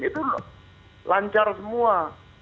itu lancar semua